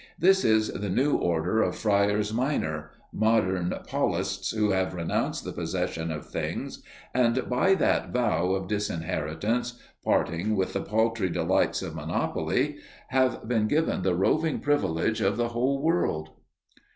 This is the new order of Friars Minor, modern Paulists who have renounced the possession of things, and by that vow of disinheritance, parting with the paltry delights of monopoly, have been given the roving privilege of the whole world!